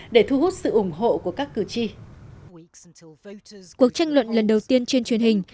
để thu hút sự ủng hộ của các cử tri cuộc tranh luận lần đầu tiên trên truyền hình